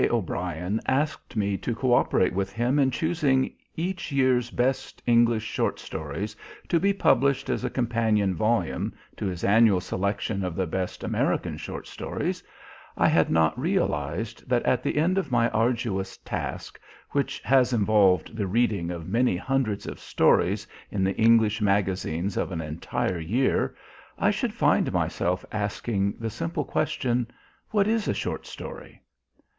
O'Brien asked me to cooperate with him in choosing each year's best English short stories, to be published as a companion volume to his annual selection of the best American short stories, I had not realized that at the end of my arduous task, which has involved the reading of many hundreds of stories in the English magazines of an entire year, I should find myself asking the simple question: What is a short story?